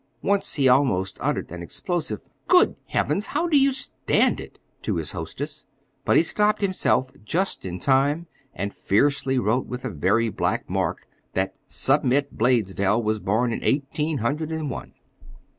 Once he almost uttered an explosive "Good Heavens, how do you stand it?" to his hostess. But he stopped himself just in time, and fiercely wrote with a very black mark that Submit Blaisdell was born in eighteen hundred and one.